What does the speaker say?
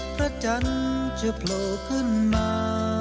พระจันทร์จะโผล่ขึ้นมา